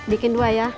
bikin dua ya